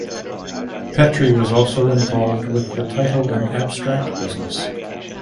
Petri was also involved with the title and abstract business.